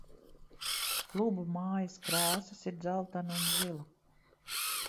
Kluba mājas krāsas ir dzeltena un zila.